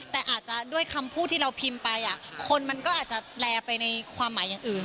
แต่อาจจะด้วยคำพูดที่เราพิมพ์ไปคนมันก็อาจจะแลไปในความหมายอย่างอื่น